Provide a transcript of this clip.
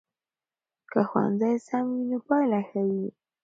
که ښوونځی سم وي نو پایله ښه وي.